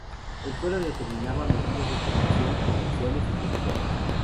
El fuero determinaba medidas de repoblación, comerciales y judiciales.